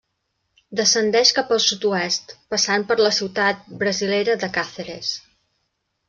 Descendeix cap al sud-oest, passant per la ciutat brasilera de Càceres.